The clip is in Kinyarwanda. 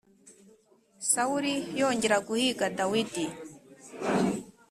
Sawuli yongera guhīga Dawidi